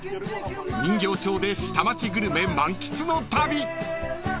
人形町で下町グルメ満喫の旅］